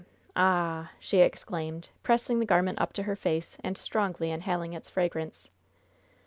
Ah h h!" she exclaimed, pressing the garment up to her face and strongly inhaling its fragrance.